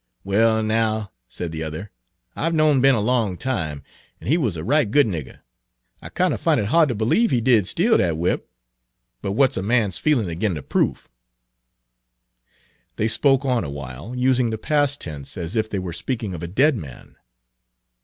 "Well, now," said the other, "I've knowed Ben a long time, an' he wuz a right good nigger. I kinder found it hard ter b'lieve he did steal that whip. But what 's a man's feelin's ag'in' the proof?" They spoke on awhile, using the past tense as if they were speaking of a dead man.